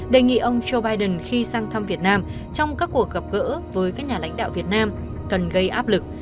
đề nghị ông joe biden khi sang thăm việt nam trong các cuộc gặp gỡ với các nhà lãnh đạo việt nam cần gây áp lực